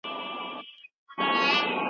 لوښي په پاکو اوبو پریمنځئ.